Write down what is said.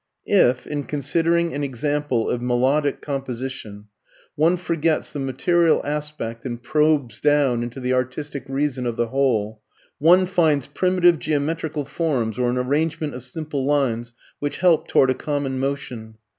If, in considering an example of melodic composition, one forgets the material aspect and probes down into the artistic reason of the whole, one finds primitive geometrical forms or an arrangement of simple lines which help toward a common motion.